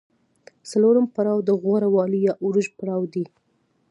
څلورم پړاو د غوره والي یا عروج پړاو دی